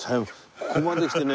ここまで来てね